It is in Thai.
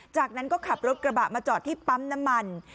จากนั้นก็ขับรถกระบะมาจอดที่ปั๊มน้ำมัน